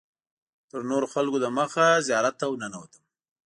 تر نورو خلکو دمخه زیارت ته ورننوتم.